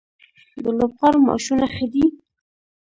د لوبغاړو معاشونه ښه دي؟